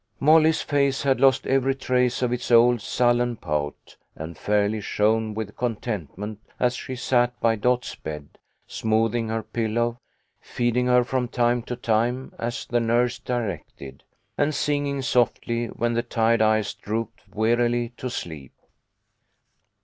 Molly's face had lost every trace of its old sullen pout, and fairly shone with contentment as she sat by Dot's bed, smoothing her pillow, feeding her from time to time as the nurse directed, and singing softly when the tired eyes drooped wearily to sleep.